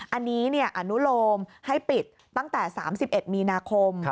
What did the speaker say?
อันนี้อนุโลมให้ปิดตั้งแต่๓๑มีนาคม